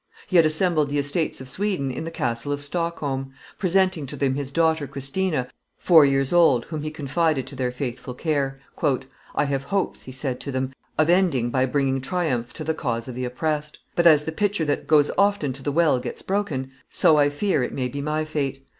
He had assembled the estates of Sweden in the castle of Stockholm, presenting to them his daughter Christina, four years old, whom he confided to their faithful care. "I have hopes," he said to them, "of ending by bringing triumph to the cause of the oppressed; but, as the pitcher that goes often to the well gets broken, so I fear it may be my fate.